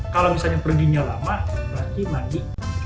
kalau misalnya perginya lama berarti mandi